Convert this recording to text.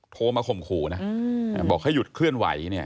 โทรมาข่มขู่นะบอกให้หยุดเคลื่อนไหวเนี่ย